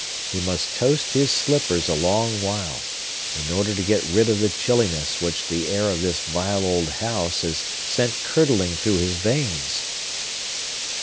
He must toast his slippers a long while, in order to get rid of the chilliness which the air of this vile old house has sent curdling through his veins.